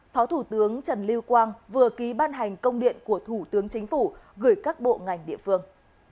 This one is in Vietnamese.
phó thủ tướng trần lưu quang vừa ký ban hành công điện của thủ tướng chính phủ gửi các bộ ngành địa phương